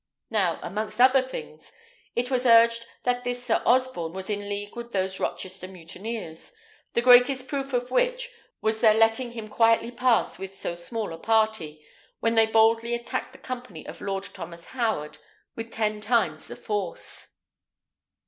Now, amongst other things, it was urged that this Sir Osborne was in league with those Rochester mutineers, the greatest proof of which was their letting him quietly pass with so small a party, when they boldly attacked the company of Lord Thomas Howard, with ten times the force."